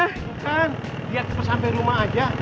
bukan dia cepet sampai rumah aja